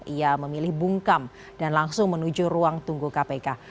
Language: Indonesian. ia memilih bungkam dan langsung menuju ruang tunggu kpk